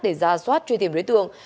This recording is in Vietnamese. để ra soát truy tìm đối tượng